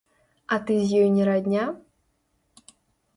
А з ёй ты не радня?